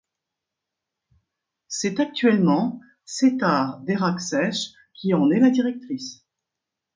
C'est actuellement Setare Derakhshesh qui en est la directrice.